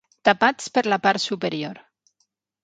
Tapats per la part superior.